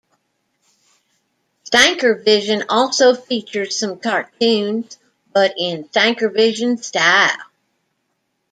"Stankervision" also features some cartoons, but in "Stankervision" style.